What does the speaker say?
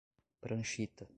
Pranchita